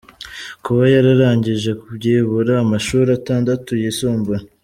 Kuba yararangije byibura amashuli atandatu yisumbuye .